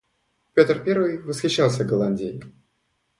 Пётр Первый восхищался Голландией.